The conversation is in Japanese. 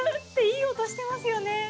いい音してますよね。